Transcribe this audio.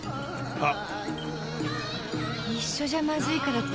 あっ！